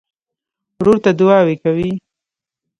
ورور ته دعاوې کوې.